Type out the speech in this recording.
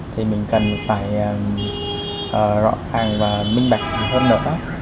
thì mình cần phải rõ ràng và minh bạch hơn nữa